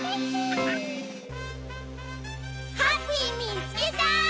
ハッピーみつけた！